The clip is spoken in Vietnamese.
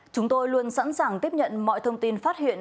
chúng tôi luôn sẵn sàng tiếp nhận mọi thông tin phát hiện